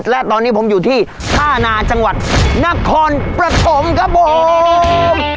และตอนนี้ผมอยู่ที่ท่านาจังหวัดนครปฐมครับผม